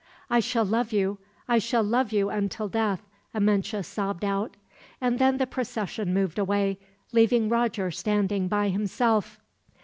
"I shall love you I shall love you until death," Amenche sobbed out, and then the procession moved away, leaving Roger standing by himself.